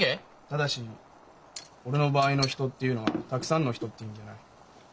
ただし俺の場合の「人」っていうのは「たくさんの人」って意味じゃない。